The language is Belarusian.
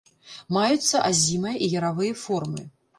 Маюцца азімая і яравыя формы.